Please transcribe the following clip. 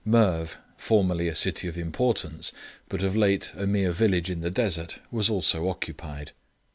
Merv, formerly a city of importance, but of late a mere village in the desert, was also occupied.